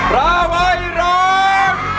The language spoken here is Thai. ราวัยร้อง